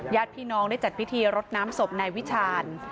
ญาติพี่น้องได้จัดพิธีรดน้ำศพนายวิชาญ